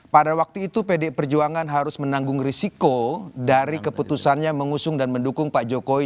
pada waktu itu pdi perjuangan harus menanggung risiko dari keputusannya mengusung dan mendukung pak jokowi